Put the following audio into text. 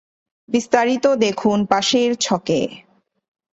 বিস্তারিত দেখুন পাশের ছকে।